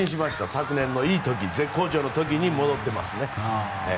昨年のいい時絶好調の時に戻ってますね。